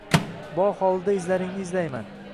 Bog‘ hovlida izlaringni izlayman